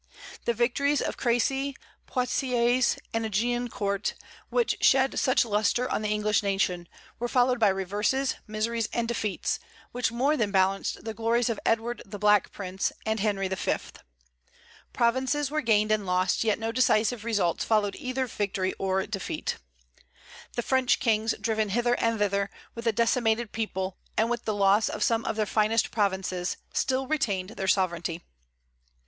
The victories of Crécy, Poictiers, and Agincourt which shed such lustre on the English nation were followed by reverses, miseries, and defeats, which more than balanced the glories of Edward the Black Prince and Henry V. Provinces were gained and lost, yet no decisive results followed either victory or defeat. The French kings, driven hither and thither, with a decimated people, and with the loss of some of their finest provinces, still retained their sovereignty.